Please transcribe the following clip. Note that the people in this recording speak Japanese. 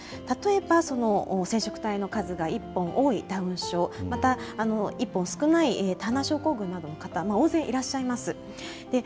例えば、染色体の数が１本多いダウン症、また１本少ないターナー症候群などの方、大勢いらっしゃいます。